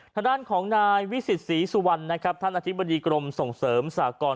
ทางด้านของนายวิสิตศรีสุวรรณนะครับท่านอธิบดีกรมส่งเสริมสากร